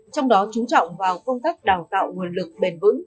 trong đó chú trọng vào công tác đào tạo nguồn lực bền vững